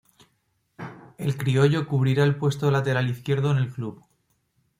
El criollo cubrirá el puesto de lateral izquierdo en el club.